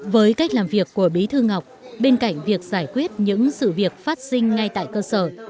với cách làm việc của bí thư ngọc bên cạnh việc giải quyết những sự việc phát sinh ngay tại cơ sở